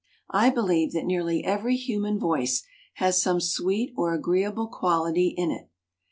I believe that nearly every human voice has some sweet or agreeable quality in it.